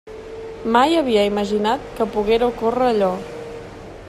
Mai havia imaginat que poguera ocórrer allò.